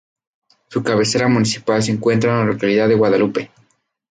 Su cabecera municipal se encuentra en la localidad de Guadalupe.